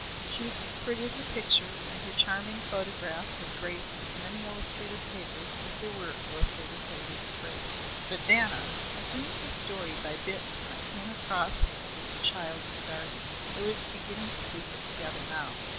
She was as pretty as a picture, and her charming photograph had graced as many illustrated papers as there were illustrated papers to grace. But Vanna I gleaned her story by bits when I came across her with the child in the gardens. I was beginning to piece it together now.